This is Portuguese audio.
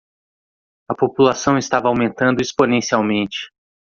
A população estava aumentando exponencialmente.